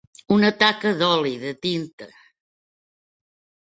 Una taca d'oli, de tinta.